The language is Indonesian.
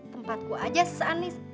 tempat gue aja seandainya